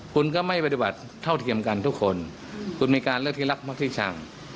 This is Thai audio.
คุณก็ไม่ปฏิบัติเท่าเทียมกันทุกคนคุณมีการเลือกที่รักมักที่ชัง